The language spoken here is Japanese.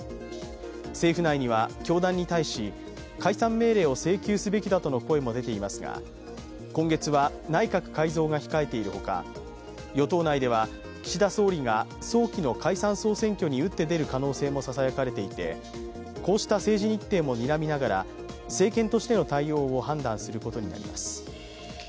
政府内には教団に対し解散命令を請求すべきだとの声も出ていますが今月は内閣改造が控えているほか与党内では岸田総理が早期の解散総選挙に打って出る可能性もささやかれていて、こうした政治日程もにらみながら政権としての対応を判断することになります。